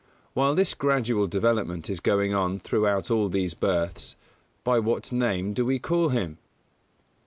_While this gradual development is going on throughout all these births, by what name do we call him?